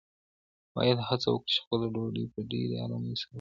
باید هڅه وکړو چې خپله ډوډۍ په ډېرې ارامۍ سره وژوو.